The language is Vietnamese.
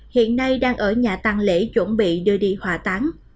hiện nay đang ở nhà tăng lễ chuẩn bị đưa đi hòa tán